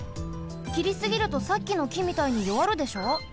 きりすぎるとさっきのきみたいによわるでしょ。